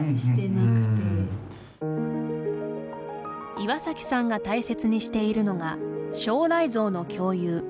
岩崎さんが大切にしているのが将来像の共有。